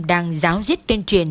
đang giáo riết tuyên truyền